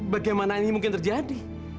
bagaimana ini mungkin terjadi